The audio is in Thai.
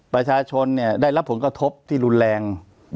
ประชาชนได้รับผลกระทบที่รุนแรง